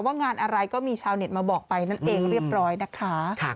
ว่างานอะไรก็มีชาวเน็ตมาบอกไปนั่นเองเรียบร้อยนะคะ